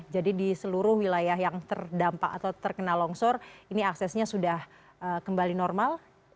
jadi di seluruh wilayah yang terdampak atau terkena longsor ini aksesnya sudah kembali normal